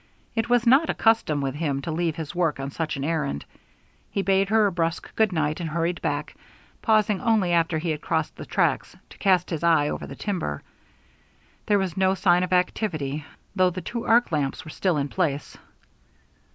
It was not a custom with him to leave his work on such an errand. He bade her a brusque good night, and hurried back, pausing only after he had crossed the tracks, to cast his eye over the timber. There was no sign of activity, though the two arc lamps were still in place.